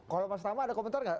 kalau mas nama ada komentar gak